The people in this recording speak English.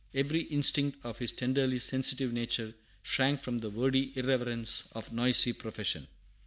Every instinct of his tenderly sensitive nature shrank from the wordy irreverence of noisy profession.